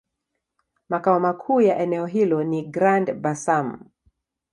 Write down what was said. Makao makuu ya eneo hilo ni Grand-Bassam.